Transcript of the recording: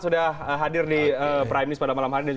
sudah hadir di prime news pada malam hari ini